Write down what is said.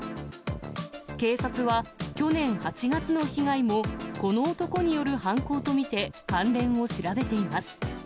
警察は去年８月の被害もこの男による犯行と見て、関連を調べています。